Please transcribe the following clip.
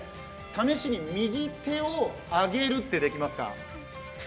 試しに右手を上げるってできますか？